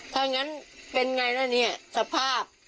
ถ้างั้นเป็นไงล่ะเนี่ยสภาพ